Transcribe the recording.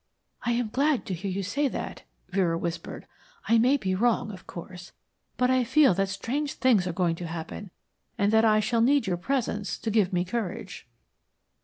"I am glad to hear you say that," Vera whispered. "I may be wrong, of course, but I feel that strange things are going to happen, and that I shall need your presence to give me courage."